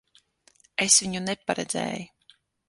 Es viņu neparedzēju.